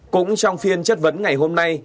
cũng trong phiên chất vấn ngày hôm nay